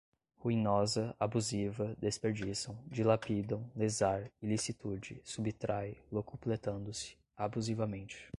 ruinosa, abusiva, desperdiçam, dilapidam, lesar, ilicitude, subtrai, locupletando-se, abusivamente